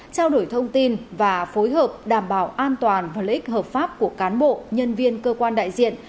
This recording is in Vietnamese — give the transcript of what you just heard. trao đổi thông tin và phối hợp đảm bảo an toàn và lợi ích hợp pháp của cán bộ nhân viên cơ quan đại diện